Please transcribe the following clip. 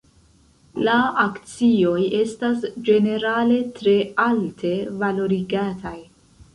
La akcioj estas ĝenerale tre alte valorigataj.